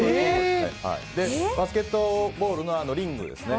バスケットボールのリングですね。